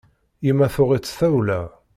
Yemma tuɣ-itt tawla.